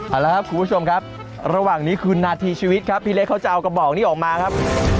เอาละครับคุณผู้ชมครับระหว่างนี้คือนาทีชีวิตครับพี่เล็กเขาจะเอากระบอกนี้ออกมาครับ